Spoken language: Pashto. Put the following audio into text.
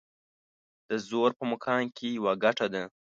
د زور په مقام کې يوه ګټه ده.